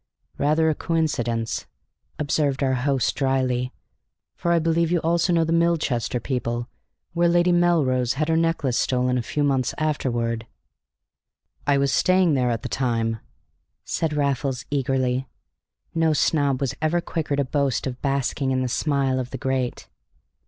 "Rather a coincidence," observed our host dryly, "for I believe you also know the Milchester people, where Lady Melrose had her necklace stolen a few months afterward." "I was staying there at the time," said Raffles eagerly. No snob was ever quicker to boast of basking in the smile of the great.